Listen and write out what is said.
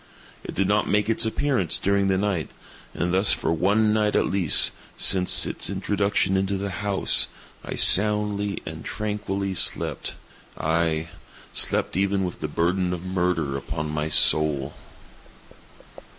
It did not make its appearance during the night; and thus for one night at least, since its introduction into the house, I soundly and tranquilly slept; aye, slept even with the burden of murder upon my soul!